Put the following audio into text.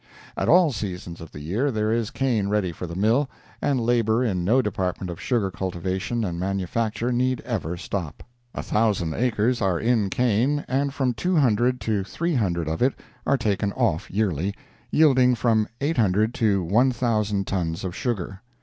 At all seasons of the year there is cane ready for the mill, and labor in no department of sugar cultivation and manufacture need ever stop. A thousand acres are in cane, and from two hundred to three hundred of it are taken off yearly, yielding from eight hundred to one thousand tons of sugar.